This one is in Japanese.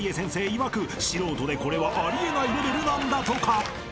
いわく素人でこれはあり得ないレベルなんだとか］